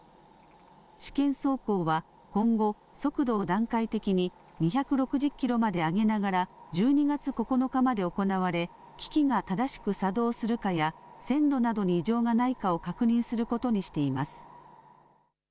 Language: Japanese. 試験走行は今後、速度を段階的に２６０キロまで上げながら１２月９日まで行われ機器が正しく作動するかや線路などに異常がないかを確認することにしています。